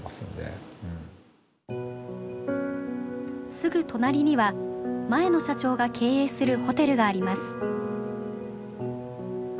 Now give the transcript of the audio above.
すぐ隣には前の社長が経営するホテルがあります。